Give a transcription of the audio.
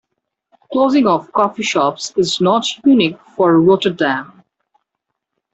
Closing of "coffeeshops" is not unique for Rotterdam.